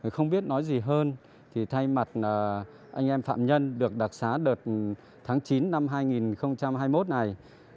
không biết nói gì hơn thì thay mặt anh em phạm nhân được đặc xá đợt tháng chín năm hai nghìn hai mươi một này